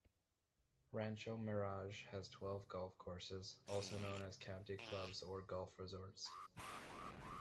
Rancho Mirage has twelve golf courses, also known as country clubs or golf resorts.